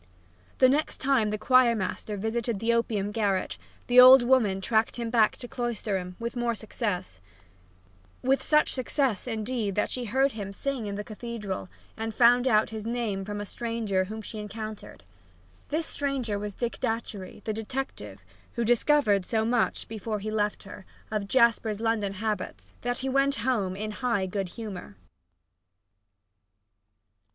The next time the choir master visited the opium garret the old woman tracked him back to Cloisterham, with more success with such success, indeed, that she heard him sing in the cathedral and found out his name from a stranger whom she encountered. This stranger was Dick Datchery, the detective, who discovered so much, before he left her, of Jasper's London habits that he went home in high good humor.